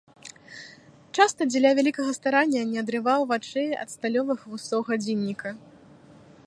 Часта дзеля вялікага старання не адрываў вачэй ад сталёвых вусоў гадзінніка.